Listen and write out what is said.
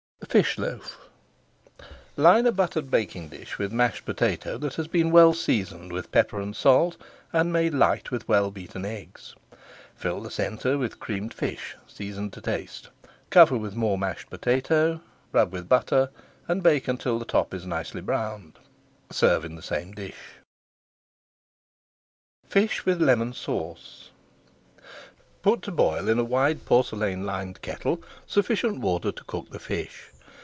FISH LOAF Line a buttered baking dish with mashed potato that has been well seasoned with pepper and salt, and made light with well beaten eggs. Fill the centre with Creamed Fish, seasoned to taste, cover [Page 470] with more mashed potato, rub with butter, and bake until the top is nicely browned. Serve in the same dish. FISH WITH LEMON SAUCE Put to boil in a wide porcelain lined kettle sufficient water to cook the fish.